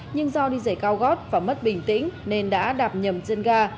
nhưng do đi rảy cao gót và mất bình tĩnh nên đã đạp nhầm chân ga